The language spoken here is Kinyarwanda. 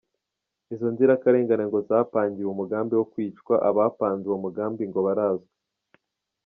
Izo nzirakarengane ngo zapangiwe umugambi wo kwicwa, abapanze uwo mugambi ngo barazwi.